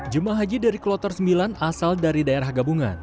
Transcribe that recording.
jemaah haji dari kloter sembilan asal dari daerah gabungan